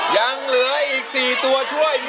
ยังเหลืออีก๔ตัวช่วย